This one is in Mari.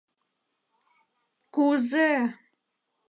— Ку-узе?!